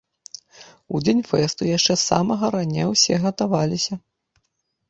У дзень фэсту яшчэ з самага рання ўсе гатаваліся.